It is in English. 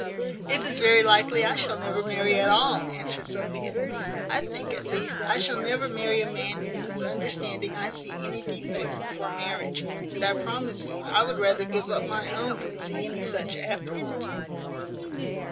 "It is very likely I shall never marry at all," answered Sophia; "I think, at least, I shall never marry a man in whose understanding I see any defects before marriage; and I promise you I would rather give up my own than see any such afterwards."